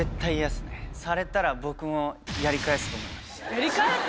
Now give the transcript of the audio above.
やり返す？